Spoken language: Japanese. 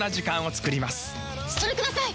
それください！